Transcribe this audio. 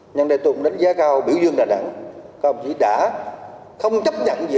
nhân đại tục đánh giá cao biểu dương đà nẵng không chỉ đã không chấp nhận dự án